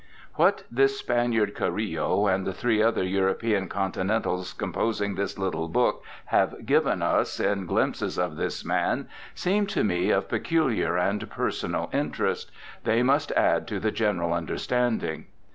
What this Spaniard, Carillo, and the three other European continentals com posing this little book have given us in glimpses of this man seemed to me of peculiar and personal interest. They must add to the general understanding.